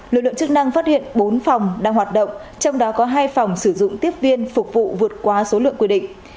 lực lượng chức năng phát hiện bốn phòng đang hoạt động trong đó có hai phòng sử dụng tiếp viên phục vụ vượt qua số lượng quy định